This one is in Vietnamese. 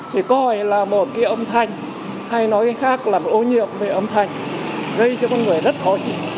thì còi là một cái âm thanh hay nói khác là một ô nhiệm về âm thanh gây cho con người rất khó chịu